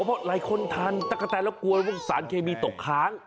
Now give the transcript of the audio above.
เพราะหลายคนทานตะกะแตนแล้วกลัวว่าสารเคมีตกค้าง